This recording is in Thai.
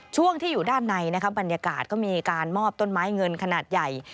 พอกลุด้านในบรรยากาศก็มีการมอบต้นไม้เงินขนาดใหญ่